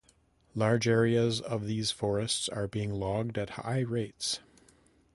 Large areas of these forests are being logged at high rates.